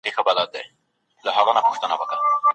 په لاس خط لیکل د لاسونو د تڼاکو په بیه بدلیږي.